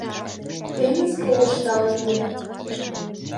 Теҥыз ковышта уло.